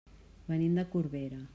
Venim de Corbera.